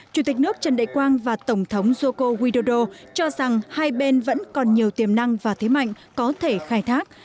chủ tịch nước trần đại quang và tổng thống joko widodo cho rằng hai bên vẫn còn nhiều tiềm năng và thế mạnh có thể khai thác